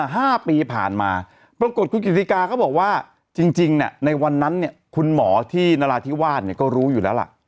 ห้าปีผ่านมาปรากฏคุณกิติกาก็บอกว่าจริงจริงเนี่ยในวันนั้นเนี่ยคุณหมอที่นราธิวาสเนี่ยก็รู้อยู่แล้วล่ะ